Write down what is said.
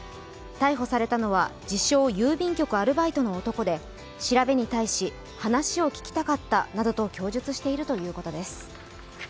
逮捕されたのは自称・郵便局アルバイトの男で、調べに対し話を聞きたかったなどと供述しているということです。